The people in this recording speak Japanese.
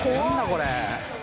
これ